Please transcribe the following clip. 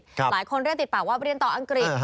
หลายคนเรียกติดปากว่าไปเรียนต่ออังกฤษ